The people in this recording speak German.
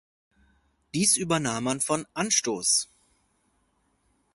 Dies übernahm man von "Anstoss".